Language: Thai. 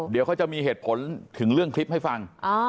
เดี๋ยวเขาจะมีเหตุผลถึงเรื่องคลิปให้ฟัง